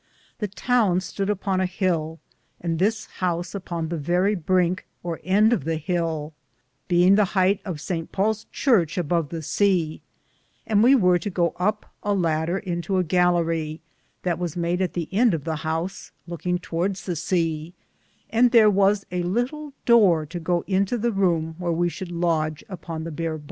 The towne stode upon a hill, and this house upon the verrie brinke or end of the hill, beinge the heighte of St Paules Churche a bove the sea ; and we weare to go up a ladder into a gallarie, that was made at the end of the house, loukinge towardes the sea, and thare was a litle dowre to go into the roume wheare we shoulde lodge upon the bare hordes.